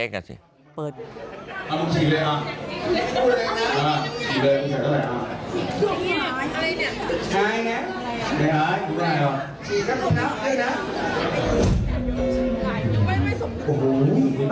ดมตายอีกแล้วไม่ผมว่า